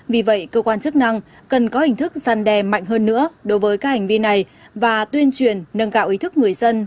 vì vậy cơ quan chức năng cần có hình thức gian đe mạnh hơn nữa đối với các hành vi này và tuyên truyền nâng cao ý thức người dân